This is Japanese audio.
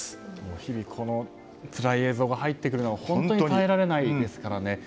日々、つらい映像が入ってくるのが本当に耐えられないですからね。